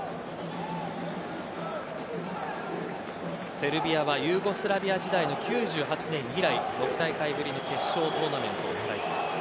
セルビアがユーゴスラビア時代の９８年以来６大会ぶりの決勝トーナメントを狙います。